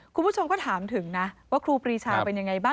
คุณผู้ชมก็ถามถึงนะว่าครูปรีชาเป็นยังไงบ้าง